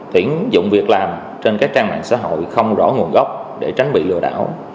tuyển dụng việc làm trên các trang mạng xã hội không rõ nguồn gốc để tránh bị lừa đảo